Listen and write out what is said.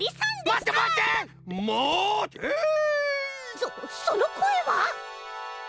そそのこえは！